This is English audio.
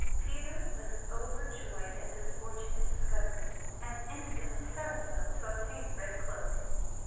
Peter was overjoyed at this fortunate discovery, and instantly set himself to obtain a red cloak.